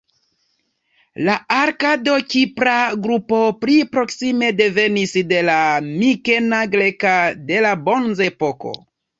La arkado-kipra grupo pli proksime devenis de la mikena greka de la Bronzepoko.